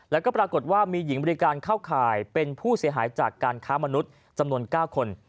แล้วก็ปรากฏว่ามีหญิงบริการเข้าข่ายเป็นผู้เสียหายจากการค้ามนุษย์จำนวน๙คน